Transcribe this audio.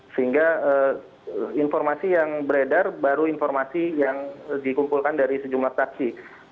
sehingga informasi yang beredar baru informasi yang dikumpulkan dari sejumlah saksi